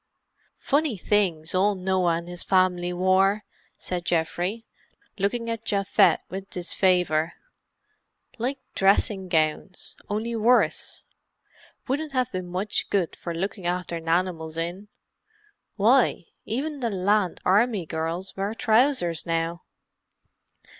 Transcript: "Funny things ole Noah and his fam'ly wore," said Geoffrey, looking at Japhet with disfavour. "Like dressing gowns, only worse. Wouldn't have been much good for looking after nanimals in. Why, even the Land Army girls wear trousers now!"